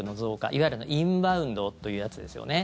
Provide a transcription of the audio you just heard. いわゆるインバウンドというやつですよね。